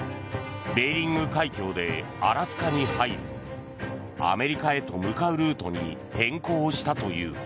ベーリング海峡でアラスカに入りアメリカへと向かうルートに変更したという。